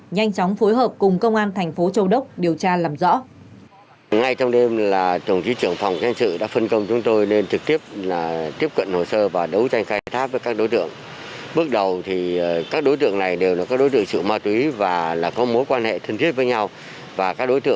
nhanh chóng phối hợp cùng công an tp châu đốc điều tra làm rõ